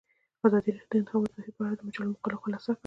ازادي راډیو د د انتخاباتو بهیر په اړه د مجلو مقالو خلاصه کړې.